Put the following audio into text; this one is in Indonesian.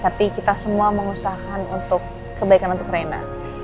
tapi kita semua mengusahakan untuk kebaikan untuk reina